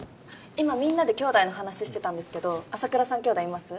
今みんなで兄弟の話してたんですけど麻倉さん兄弟います？